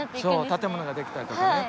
建物が出来たりとかね。